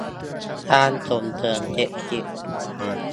การส่งเสริมเศรษฐกิจ